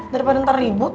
daripada ntar ribut